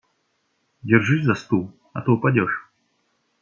Держись за стул, а то упадешь.